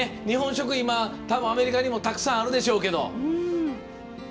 日本食、アメリカにもたくさんあるでしょうけど。